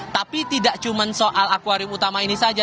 tapi tidak cuma soal akwarium utama ini saja